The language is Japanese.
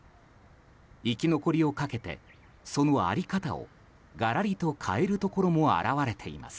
生き残りをかけて、その在り方をがらりと変えるところも現れています。